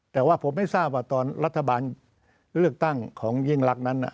แต่ว่าผมไม่ทราบว่าตอนรัฐบาลเลือกตั้งของยิ่งรักนั้น